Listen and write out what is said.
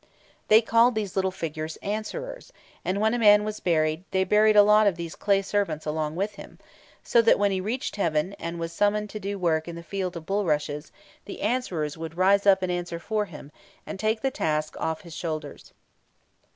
They called these little figures "Answerers," and when a man was buried, they buried a lot of these clay servants along with him, so that, when he reached heaven, and was summoned to do work in the Field of Bulrushes, the Answerers would rise up and answer for him, and take the task off his shoulders.